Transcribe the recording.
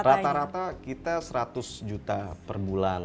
rata rata kita seratus juta per bulan